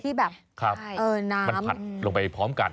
ที่แบบมันผัดลงไปพร้อมกัน